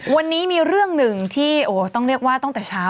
วันนี้มีเรื่องหนึ่งที่ต้องเรียกว่าตั้งแต่เช้า